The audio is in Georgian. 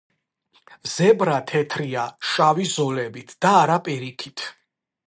ზებრა თეთრია შავი ზოლებით და არა პირიქით.